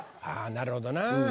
あぁなるほどな。